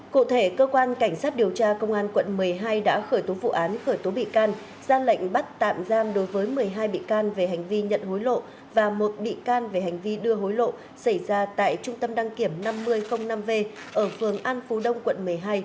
cụ thể cơ quan cảnh sát điều tra công an quận một mươi hai đã khởi tố vụ án khởi tố bị can ra lệnh bắt tạm giam đối với một mươi hai bị can về hành vi nhận hối lộ và một bị can về hành vi đưa hối lộ xảy ra tại trung tâm đăng kiểm năm mươi năm v ở phường an phú đông quận một mươi hai